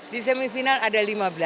di semifinal ada lima belas